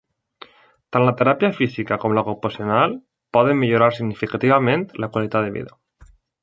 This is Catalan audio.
Tant la teràpia física com la ocupacional poden millorar significativament la qualitat de vida.